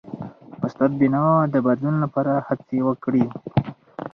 استاد بینوا د بدلون لپاره هڅې وکړي.